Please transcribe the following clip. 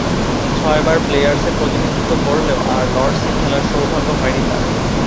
ছয়বার প্লেয়ার্সের প্রতিনিধিত্ব করলেও আর লর্ডসে খেলার সৌভাগ্য হয়নি তার।